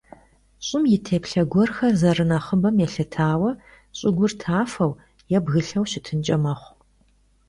ЩӀым и теплъэ гуэрхэр зэрынэхъыбэм елъытауэ щӀыгур тафэу е бгылъэу щытынкӀэ мэхъу.